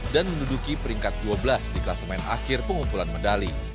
dan menduduki peringkat dua belas di kelas main akhir pengumpulan medali